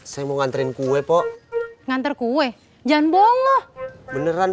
saya mau nganterin kue pok nganter kue jangan bohong loh beneran